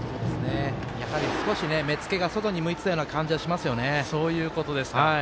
やはり、少し目付けが外に向いていた感じはしますよね。